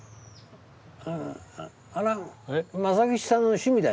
あれは正吉さんの趣味だよ。